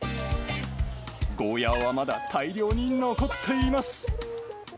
ゴーヤはまだ大量に残っています。